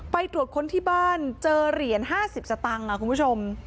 ไปตรวจค้นที่บ้านเจอเหรียญ๕๐สตางค์คุณผู้ชม